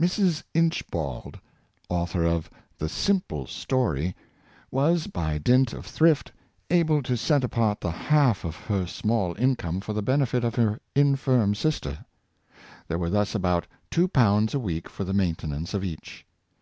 Mrs. Inchbald, author of the " Simple Story," was, by dint of thrift, able to set apart the half of her small income for the benefit of her infirm sister. There were thus about two pounds a week for the maintenance of each.